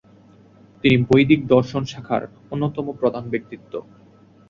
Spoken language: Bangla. তিনি বৈদিক দর্শন শাখার অন্যতম প্রধান ব্যক্তিত্ব।